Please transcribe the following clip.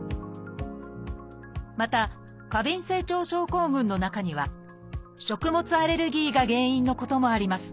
また過敏性腸症候群の中には食物アレルギーが原因のこともあります。